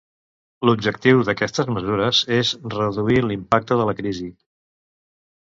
L'objectiu d'aquestes mesures és reduir l'impacte de la crisi.